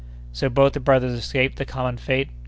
"So both the brothers escaped the common fate?"